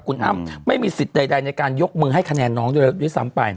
คุณอ้ำไม่มีสิทธิ์ใดในการยกมือให้คะแนนน้องด้วยซ้ำไป